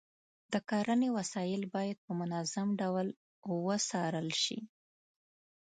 د کرنې وسایل باید په منظم ډول وڅارل شي.